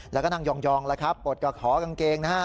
แล้วก็นั่งยองแล้วครับปลดกระขอกางเกงนะฮะ